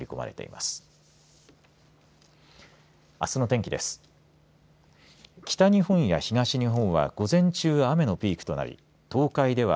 あすの天気です。